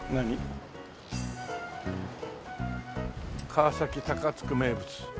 「川崎高津区名物」